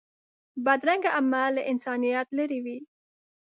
بدرنګه عمل له انسانیت لرې وي